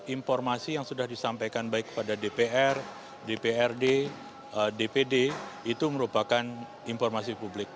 informasi yang sudah disampaikan baik kepada dpr dprd dpd itu merupakan informasi publik